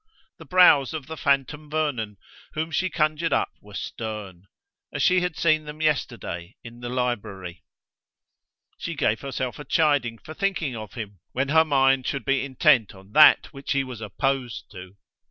The brows of the phantom Vernon whom she conjured up were stern, as she had seen them yesterday in the library. She gave herself a chiding for thinking of him when her mind should be intent on that which he was opposed to.